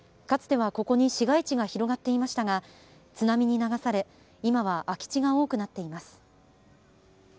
かつてはここに市街地が広がっていましたが津波に流され今は空き地が多くなっています。